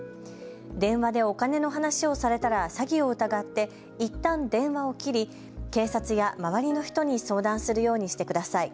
電話でお金の話をされたら詐欺を疑っていったん電話を切り警察や周りの人に相談するようにしてください。